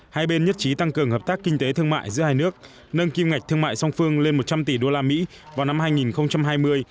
hai bên nhất trí tăng cường hợp tác kinh tế thương mại giữa hai nước nâng kim ngạch thương mại song phương lên một trăm linh tỷ usd vào năm hai nghìn hai mươi